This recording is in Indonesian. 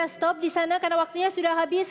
kita stop disana karena waktunya sudah habis